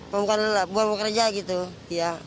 buat buat kerja gitu ya